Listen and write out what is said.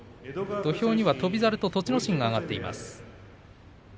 土俵には翔猿と栃ノ心が上がっています。